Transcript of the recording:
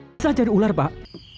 bisa jadi ular pak